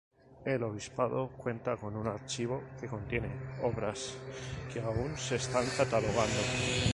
El obispado cuenta con un archivo que contiene obras que aún se están catalogando.